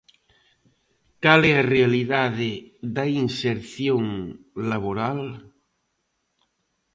Cal é a realidade da inserción laboral?